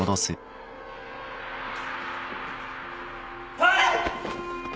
はい！